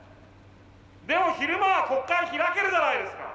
でも昼間は国会開けるじゃないですか。